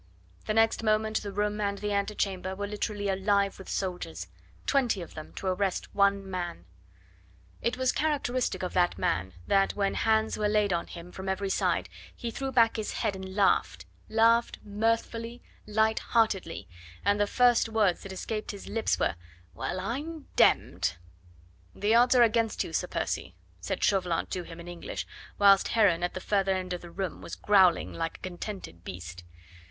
The next moment the room and the antechamber were literally alive with soldiers twenty of them to arrest one man. It was characteristic of that man that when hands were laid on him from every side he threw back his head and laughed laughed mirthfully, light heartedly, and the first words that escaped his lips were: "Well, I am d d!" "The odds are against you, Sir Percy," said Chauvelin to him in English, whilst Heron at the further end of the room was growling like a contented beast.